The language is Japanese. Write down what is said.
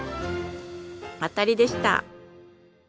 当たりでした。